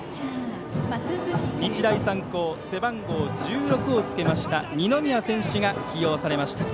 日大三高背番号１６をつけました二宮選手が起用されました。